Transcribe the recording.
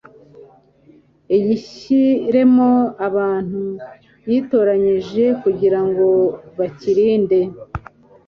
agishyiremo abantu yitoranyirije kugira ngo bakirinde